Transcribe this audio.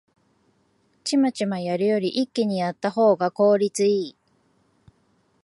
チマチマやるより一気にやったほうが効率いい